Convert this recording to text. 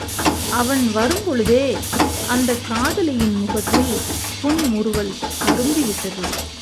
அவன் வரும் பொழுதே அந்தக் காதலியின் முகத்தில் புன்முறுவல் அரும்பிவிட்டது.